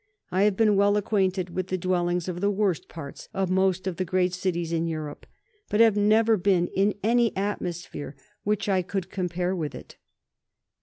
I have been well acquainted with the dwellings of the worst parts of most of the great cities in Europe, but have never been in any atmosphere which I could compare with it."